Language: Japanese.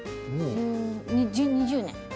十２０年。